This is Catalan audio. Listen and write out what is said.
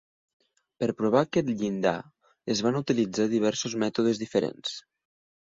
Per provar aquest llindar es van utilitzar diversos mètodes diferents.